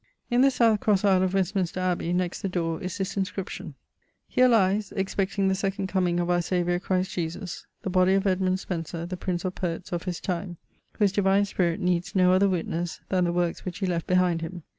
In the south crosse aisle of Westminster abbey, next the dore, is this inscription: [Sidenote: ☞] 'Heare lies (expecting the second comeing of our Saviour Christ Jesus) the body of Edmund Spencer, the Prince of Poets of his tyme; whose divine spirit needs no other witnesse then the workes which he left behind him.